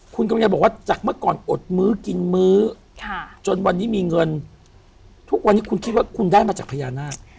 คุณกำลังบอกว่าจากเมื่อก่อนอดมื้อกินมื้อจนวันนี้มีเงินทุกวันนี้คุณคิดว่าคุณได้มาจากพญานาค